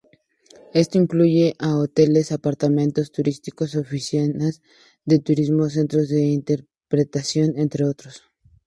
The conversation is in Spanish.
Esto incluye a hoteles, apartamentos turísticos, oficinas de turismo, centros de interpretación, entre otros.